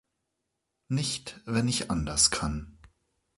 Nicht, wenn ich anders kann.